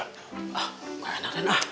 enggak enak den